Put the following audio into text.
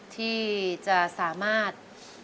ที่จะสามารถ